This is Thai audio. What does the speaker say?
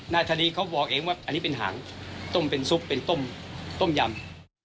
นายธนีเขาบอกเองว่าอันนี้เป็นหางต้มเป็นซุปเป็นต้มต้มยำ